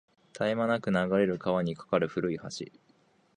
絶え間なく流れる川に架かる古い橋